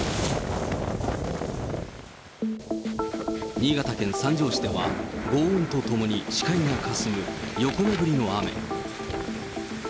新潟県三条市ではごう音とともに視界がかすむ横殴りの雨。